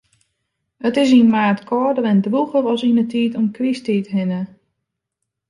It is yn maart kâlder en drûger as yn 'e tiid om Krysttiid hinne.